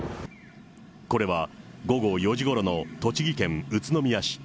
これは午後４時ごろの栃木県宇都宮市。